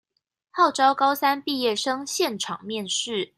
號召高三畢業生現場面試